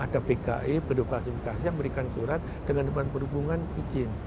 ada pki pendukung asimilasi yang memberikan surat dengan teman perhubungan izin